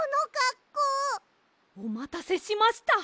おまたせしました。